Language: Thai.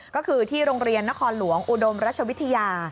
ก็คือที่โรงเรียนนครหลวงอุดมรัชวิทยา